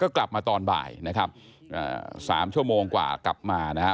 กลับมาตอนบ่ายนะครับสามชั่วโมงกว่ากลับมานะฮะ